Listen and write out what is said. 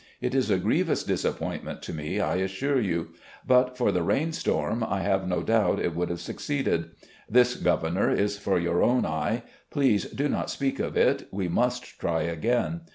It is a grievous disappointment to me, I assure you. But for the rain storm, I have no doubt it would have succeeded. This, Governor, is for your own eye. Please do not speak of it ; we must try again.